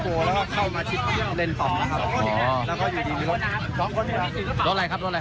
เขาไม่อยากมันทำรถคันแน่แล้วมันก็รถของร้อนมันก็เปลี่ยนไปตรงโน้น